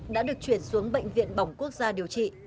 đã được chuyển xuống bệnh viện bỏng quốc gia điều trị